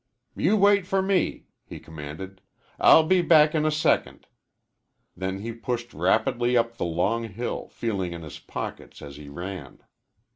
"You wait for me!" he commanded. "I'll be back in a second!" Then he pushed rapidly up the long hill, feeling in his pockets as he ran.